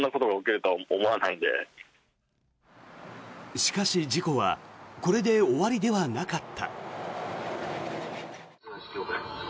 しかし、事故はこれで終わりではなかった。